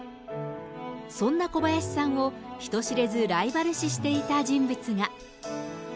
そんな小林さんを、人知れずライバル視していた人物が。